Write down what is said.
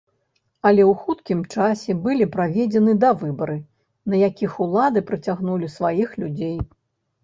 Але ў хуткім часе былі праведзены давыбары, на якіх улады прыцягнулі сваіх людзей.